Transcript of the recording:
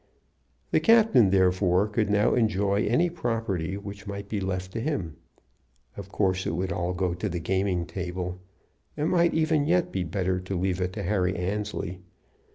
The captain, therefore, could now enjoy any property which might be left to him. Of course, it would all go to the gaming table. It might even yet be better to leave it to Harry Annesley.